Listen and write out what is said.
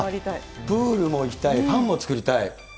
プールも行きたい、パンも作りたい。